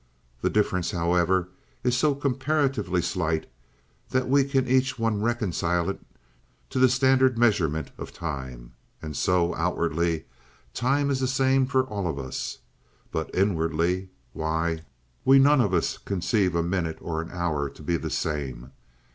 The difference, however, is so comparatively slight, that we can each one reconcile it to the standard measurement of time. And so, outwardly, time is the same for all of us. But inwardly, why, we none of us conceive a minute or an hour to be the same!